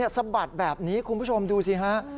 สะบัดแบบนี้คุณผู้ชมดูสิฮะ